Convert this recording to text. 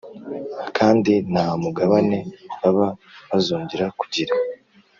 kandi nta mugabane baba bazongera kugira